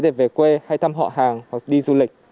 để về quê hay thăm họ hàng hoặc đi du lịch